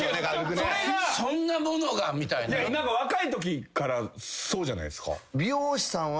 若いときからそうじゃないっすか。